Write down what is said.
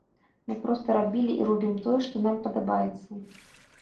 Мы проста рабілі і робім тое, што нам падабаецца.